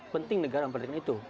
penting negara memperlindungi itu